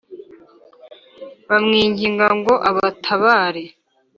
bamwinginga ngo abatabare